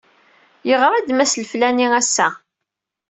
Yeɣra-d Mass Leflani ass-a.